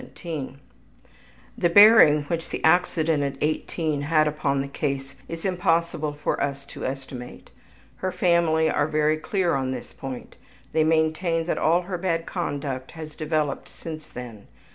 The bearing which the accident at 18 had upon the case it is impossible for us to estimate. Her family are very clear on this point; they maintain that all her bad conduct has developed since then.